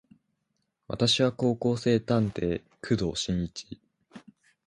俺は高校生探偵工藤新一